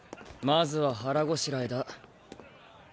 まずは腹ごしらえだ。